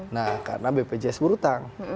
nah karena bpjs berhutang